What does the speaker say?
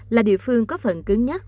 là địa phương có phần cứng nhất